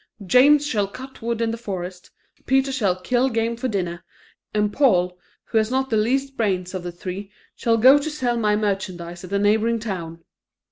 James shall cut wood in the forest, Peter shall kill game for dinner, and Paul, who has not the least brains of the three, shall go to sell my merchandise at the neighbouring town.